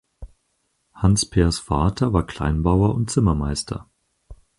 Hans Peers Vater war Kleinbauer und Zimmermeister.